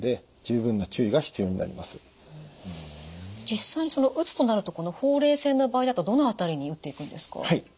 実際打つとなるとこのほうれい線の場合だとどの辺りに打っていくんですか？